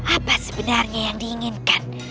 apa sebenarnya yang diinginkan